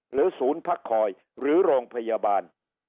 ศูนย์พักคอยหรือโรงพยาบาล